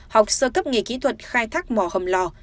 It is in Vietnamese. học sơ cấp nghề kỹ thuật khai thác mỏ hầm lò